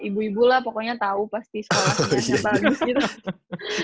ibu ibulah pokoknya tau pasti sekolahnya siapa bagus gitu